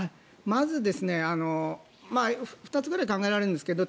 まず、２つぐらい考えられるんですけど